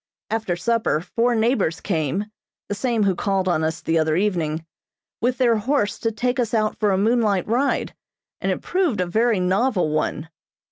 After supper four neighbors came (the same who called on us the other evening) with their horse to take us out for a moonlight ride, and it proved a very novel one.